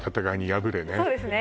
そうですね